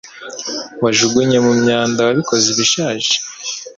Wajugunye mu myanda wabikoze ibishaje